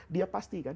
dia pasti kan